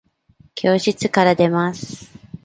教室から出ます。